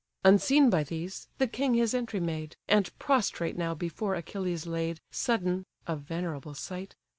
Unseen by these, the king his entry made: And, prostrate now before Achilles laid, Sudden (a venerable sight!)